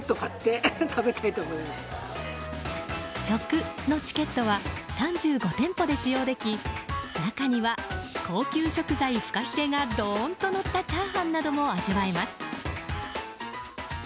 食のチケットは３５店舗で使用でき中には高級食材フカヒレがドーンとのったチャーハンなども味わえます。